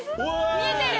見えてる！